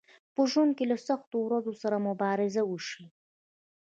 په ژوند کې له سختو ورځو سره مبارزه وشئ